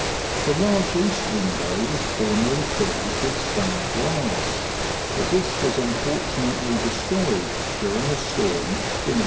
The large east window was formerly filled with stained glass, but this was unfortunately destroyed, during a storm, in 1809.